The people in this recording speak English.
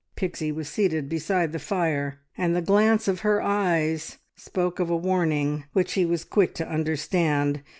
Pixie was seated beside the fire, and the glance of her eyes spoke of a warning which he was quick to understand.